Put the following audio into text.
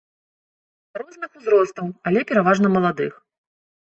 Розных узростаў, але пераважна маладых.